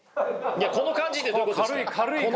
この感じってどういうことですか？